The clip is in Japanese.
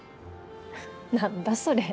何だそれ！